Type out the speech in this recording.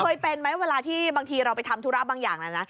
เคยเป็นไหมเวลาที่บางทีเราไปทำธุระบางอย่างแล้วนะ